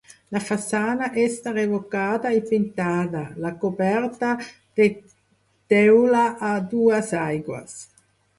La façana està revocada i pintada, la coberta de teula a dues aigües.